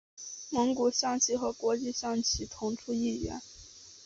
蒙古象棋和国际象棋同出一源。